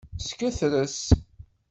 Sketres.